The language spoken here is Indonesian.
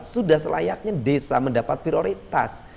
sudah selayaknya desa mendapat prioritas